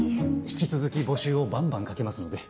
引き続き募集をバンバンかけますので。